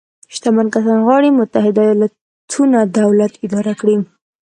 شتمن کسان غواړي متحده ایالتونو دولت اداره کړي.